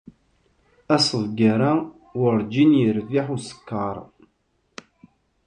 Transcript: Asebgar-a werjin yerbeḥ uskaṛ.